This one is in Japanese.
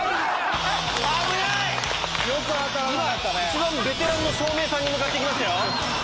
一番ベテランの照明さんに向かって行きましたよ。